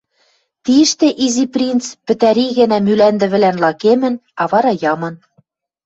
Тиштӹ Изи принц пӹтӓри гӓнӓ Мӱлӓндӹ вӹлӓн лакемӹн, а вара ямын.